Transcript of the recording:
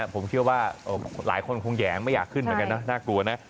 ผมเชื่อว่าหลายคนคงแหยงไม่อยากขึ้นเหมือนกันนะน่ากลัวนะ